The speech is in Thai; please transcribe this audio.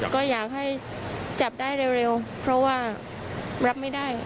ก็อยากให้จับได้เร็วเพราะว่ารับไม่ได้